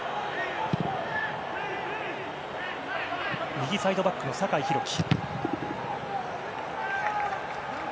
右サイドバックは酒井宏樹。